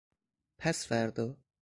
پسفردا